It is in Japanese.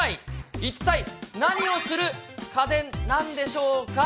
一体何をする家電なんでしょうか。